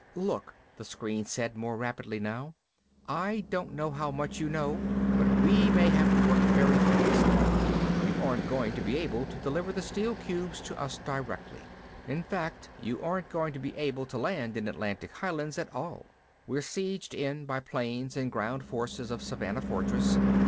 "Look," the screen said, more rapidly now, "I don't know how much you know, but we may have to work very fast. You aren't going to be able to deliver the steel cubes to us directly. In fact you aren't going to be able to land in Atlantic Highlands at all. We're sieged in by planes and ground forces of Savannah Fortress.